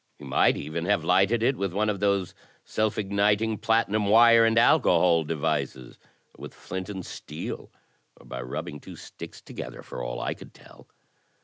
He might even have lighted it with one of those self igniting platinum wire and alcohol devices, or with ffint and steel, or by rubbing two sticks together, for all I could tell.